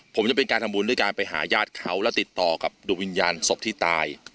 ผมจะเป็นการทำบุญด้วยการไปหาญาติเขาแล้วติดต่อกับดวงวิญญาณศพที่ตาย